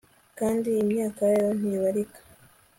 kandi imyaka yayo ntibarika